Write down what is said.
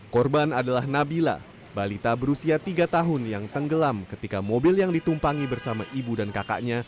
korban adalah nabila balita berusia tiga tahun yang tenggelam ketika mobil yang ditumpangi bersama ibu dan kakaknya